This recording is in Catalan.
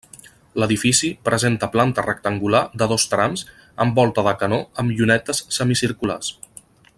L'edifici presenta planta rectangular de dos trams amb volta de canó amb llunetes semicirculars.